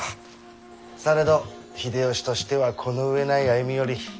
されど秀吉としてはこの上ない歩み寄り。